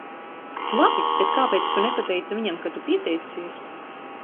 Labi, tad kāpēc tu nepateici viņam, ka tu pieteicies?